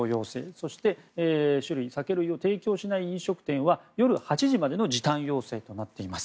そして酒類を提供しない飲食店は夜８時までの時短要請となっています。